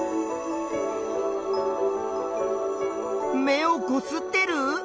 目をこすってる？